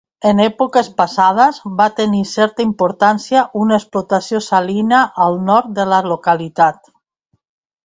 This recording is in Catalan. En èpoques passades, va tenir certa importància una explotació salina al nord de la localitat.